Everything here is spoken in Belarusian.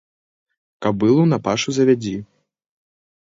Кабылу на пашу завядзі.